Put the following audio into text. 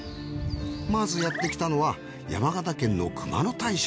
まずやってきたのは山形県の熊野大社。